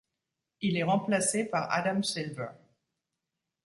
Il est remplacé par Adam Silver.